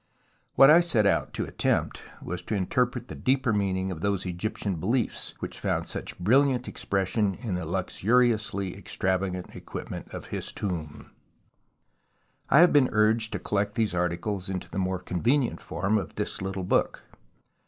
What I set out to attempt was to interpret the deeper meaning of those Egyptian behefs which found such brilhant expression in the luxuriously extra vagant equipment of his tomb. I have been urged to collect these articles into the more convenient form of this little book.